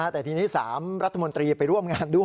แต่ทีนี้๓รัฐมนตรีไปร่วมงานด้วย